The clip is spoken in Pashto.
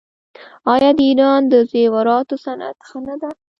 آیا د ایران د زیوراتو صنعت ښه نه دی؟